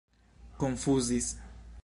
konfuzis